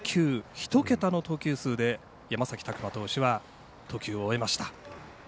１桁の投球数で山崎琢磨投手は投球を終えました。